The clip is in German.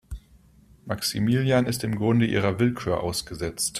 Maximilian ist im Grunde ihrer Willkür ausgesetzt.